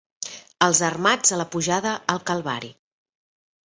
Els Armats a la pujada al Calvari.